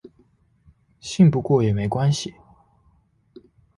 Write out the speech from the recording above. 信不過也沒關係